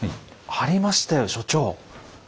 ありましたよ所長。